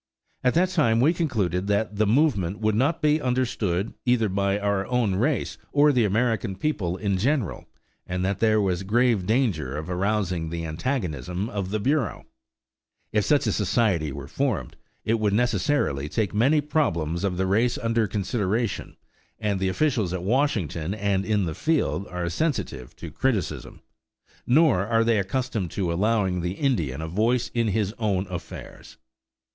At that time we concluded that the movement would not be understood either by our own race or the American people in general, and that there was grave danger of arousing the antagonism of the Bureau. If such a society were formed, it would necessarily take many problems of the race under consideration, and the officials at Washington and in the field are sensitive to criticism, nor are they accustomed to allowing the Indian a voice in his own affairs.